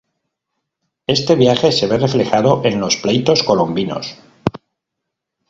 Este viaje se ve reflejado en los "Pleitos Colombinos".